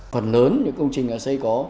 phần lớn những công trình xây có